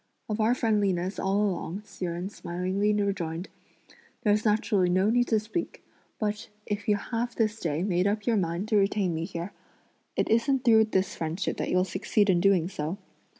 "Of our friendliness all along," Hsi Jen smilingly rejoined, "there's naturally no need to speak; but, if you have this day made up your mind to retain me here, it isn't through this friendship that you'll succeed in doing so.